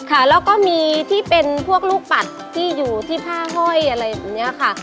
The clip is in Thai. ค่ะแล้วก็มีที่เป็นพวกลูกปัดที่อยู่ที่ผ้าห้อยอะไรแบบนี้ค่ะ